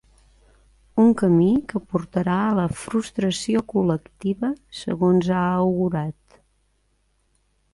Un camí que portarà a la “frustració col·lectiva”, segons ha augurat.